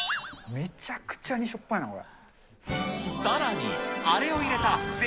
めちゃくちゃにしょっぱいな、これ。